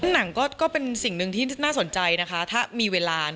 หนังก็เป็นสิ่งหนึ่งที่น่าสนใจนะคะถ้ามีเวลา